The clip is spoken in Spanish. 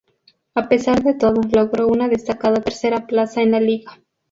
A pesar de todo, logró una destacada tercera plaza en la Liga.